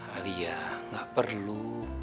alia nggak perlu